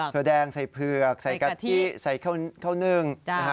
ถั่แดงใส่เผือกใส่กะทิใส่ข้าวนึ่ง